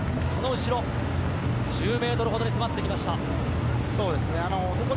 その後ろ１０ｍほどに迫って来ました。